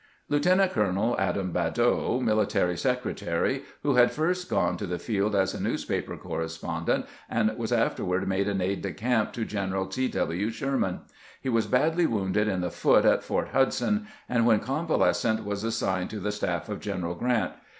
Lieutenant colonel Adam Badeau, military secretary, who had first gone to the field as a newspaper corre spondent, and was afterward made an aide de camp to Greueral T. W. Sherman. He was badly wounded in the foot at Port Hudson, and when convalescent was as signed to the staflE of General Grant.